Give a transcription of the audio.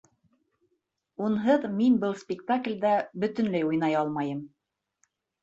Унһыҙ мин был спектаклдә бөтөнләй уйнай алмайым.